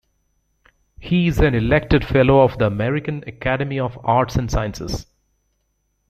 He is an elected Fellow of the American Academy of Arts and Sciences.